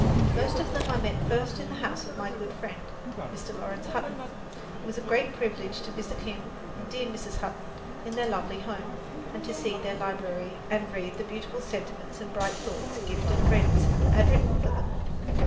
Most of them I met first in the house of my good friend, Mr. Laurence Hutton. It was a great privilege to visit him and dear Mrs. Hutton in their lovely home, and see their library and read the beautiful sentiments and bright thoughts gifted friends had written for them.